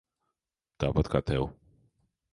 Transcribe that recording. Tāpat kā tev.